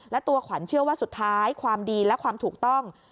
และตัวขวัญเชื่อว่าสุดท้ายความดีและความถูกต้อง